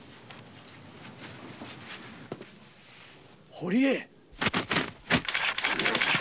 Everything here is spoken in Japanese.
堀江⁉